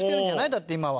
だって今は。